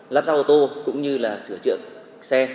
làm sao ô tô cũng như là sửa chữa xe